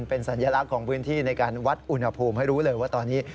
เป็นสัญลักษณ์ของพื้นที่ในการวัดอุณหภูมิให้รู้เลยว่าตอนนี้